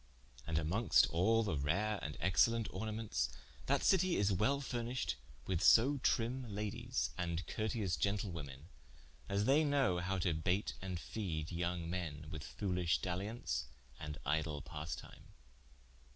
And amonges all the rare and excellent ornamentes, that Citie is wel furnished with so trimme Ladies and curteous gentlewomen, as they know how to baite and feede yong men with foolish daliaunce, and idle passetime.